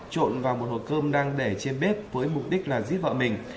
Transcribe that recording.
trộn vào một hộp cơm đang để trên bếp với mục đích là giết vợ mình